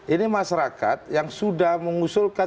ini masyarakat yang sudah mengusulkan